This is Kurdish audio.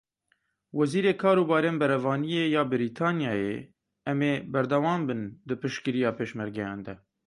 Wezîrê Karûbarên Berevaniyê ya Brîtanyayê em ê berdewam bin di piştgiriya Pêşmergeyan de.